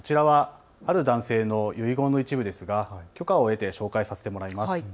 こちらはある男性の遺言の一部ですが許可を得て紹介させてもらいます。